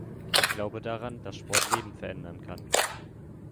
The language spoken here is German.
Ich glaube daran, dass Sport Leben verändern kann.